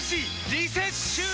リセッシュー！